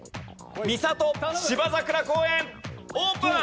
みさと芝桜公園オープン！